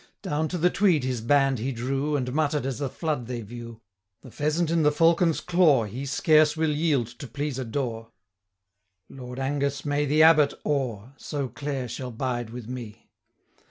Down to the Tweed his band he drew, 650 And mutter'd as the flood they view, 'The pheasant in the falcon's claw, He scarce will yield to please a daw: Lord Angus may the Abbot awe, So Clare shall bide with me.'